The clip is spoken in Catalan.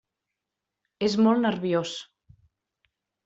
És molt nerviós.